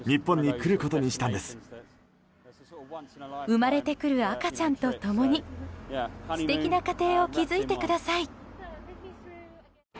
生まれてくる赤ちゃんと共に素敵な家庭を築いてください。